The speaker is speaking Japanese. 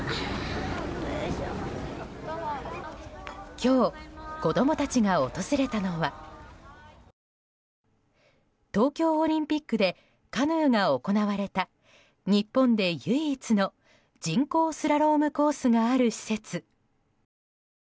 今日、子供たちが訪れたのは東京オリンピックでカヌーが行われた日本で唯一の人工スラロームコースがある施設。